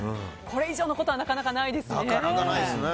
これ以上のことはなかなかないですね。